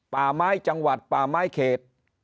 ป่าไม้จังหวัดป่าไม้เขต